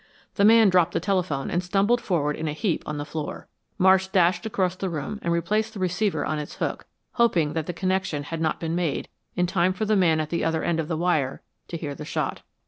The man dropped the telephone and stumbled forward in a heap on the floor. Marsh dashed across the room and replaced the receiver on its hook, hoping that the connection had not been made in time for the man at the other end of the wire to hear the shot.